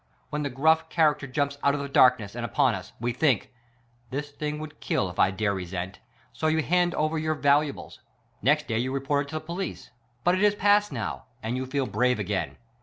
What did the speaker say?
.When the gruff character jumps out of the darkness and upon us, we think : This thing would kill if I dare resent. So you hand over your valu 38 SPY PROOF AMERICA ables. Next day you report it to the police ; but it is past now, and you feel brave agiain.